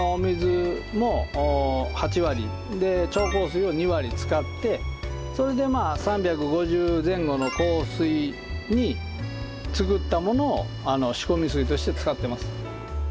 それを６７の使ってそれで３５０前後の硬水に作ったものを仕込み水として使ってます。